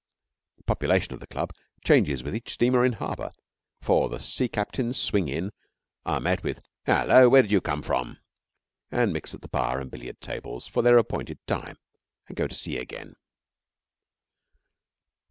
The population of the club changes with each steamer in harbour, for the sea captains swing in, are met with 'Hello! where did you come from?' and mix at the bar and billiard tables for their appointed time and go to sea again.